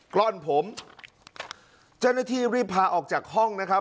กล้อนผมเจ้าหน้าที่รีบพาออกจากห้องนะครับ